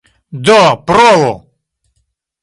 Do provu!